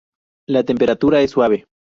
La temperatura es suave.